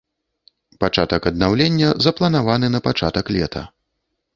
Пачатак аднаўлення запланаваны на пачатак лета.